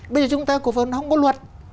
bây giờ chúng ta cổ phần không có luật